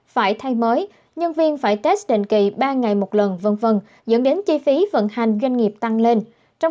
phải thay mới nhân viên phải test đền kỳ ba ngày một lần dẫn đến chi phí vận hành doanh nghiệp tăng lên